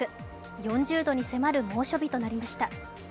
４０度に迫る猛暑日となりました。